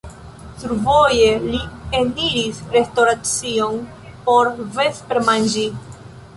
Survoje li eniris restoracion por vespermanĝi.